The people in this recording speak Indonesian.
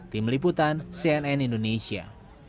tim liputan cnn indonesia